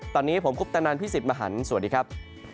ตอนนี้ผมคุปตนันพี่สิทธิ์มหันฯสวัสดีครับ